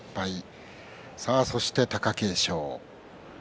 そして、貴景勝。